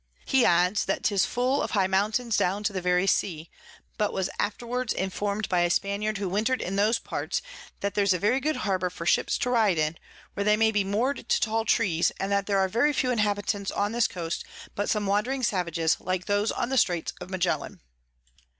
He adds, that 'tis full of high Mountains down to the very Sea; but was afterwards inform'd by a Spaniard who winter'd in those parts, that there's a very good Harbour for Ships to ride in, where they may be moor'd to tall Trees, and that there are very few Inhabitants on this Coast, but some wandring Savages, like those on the Straits of Magellan.